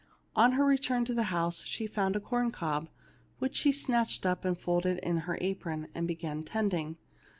On her return to the house she found a corn cob, which she snatched up and folded in her apron, and began tending.